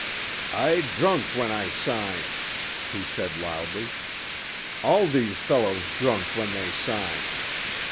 "I drunk when I sign," he said loudly. "All these fellow drunk when they sign.